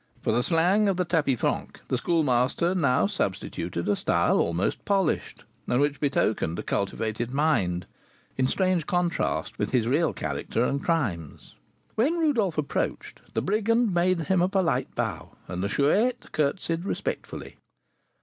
For the slang of the tapis franc the Schoolmaster now substituted a style almost polished, and which betokened a cultivated mind, in strange contrast with his real character and crimes. When Rodolph approached, the brigand made him a polite bow, and the Chouette curtseyed respectfully.